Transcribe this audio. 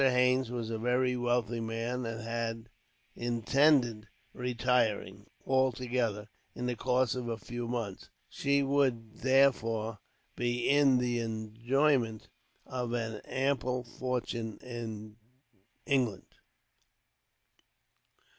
Haines was a very wealthy man, and had intended retiring, altogether, in the course of a few months; and she would, therefore, be in the enjoyment of an ample fortune in England.